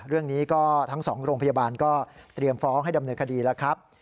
เรื่องนี้ก็ทั้ง๒โรงพยาบาลก็เตรียมฟ้องให้ดำเนินคดีแล้วครับ